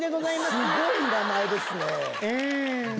すごい名前ですね。